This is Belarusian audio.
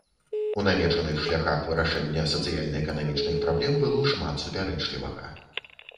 У намечаных шляхах вырашэння сацыяльна-эканамічных праблем было шмат супярэчлівага.